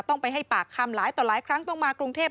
ต้องไปให้ปากคำหลายต่อหลายครั้งต้องมากรุงเทพ